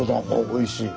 おいしい。